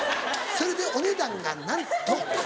それでお値段がなんと」。